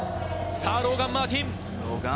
ローガン・マーティン。